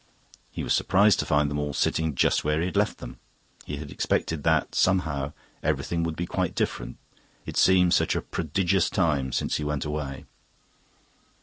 He was surprised to find them all sitting just where he had left them. He had expected that, somehow, everything would be quite different it seemed such a prodigious time since he went away.